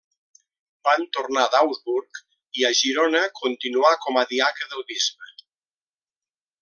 Van tornar d'Augsburg i, a Girona, continuà com a diaca del bisbe.